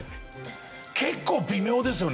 結構微妙ですよね。